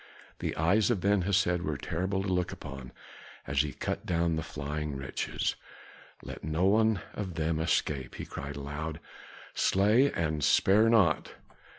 The eyes of Ben Hesed were terrible to look upon as he cut down the flying wretches. "Let no one of them escape!" he cried aloud. "Slay and spare not!"